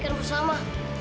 eh itu apa